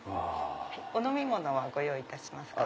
お飲み物はご用意いたしますか？